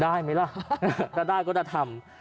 ได้ไหมล่ะถ้าได้ก็จะทำ